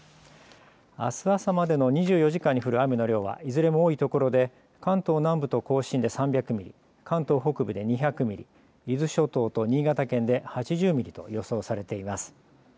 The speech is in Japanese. あす朝までの２４時間に降る雨の量はいずれも多いところで関東南部と甲信で３００ミリ、関東北部で２００ミリ、伊豆諸島と新潟県で８０ミリと予想されています。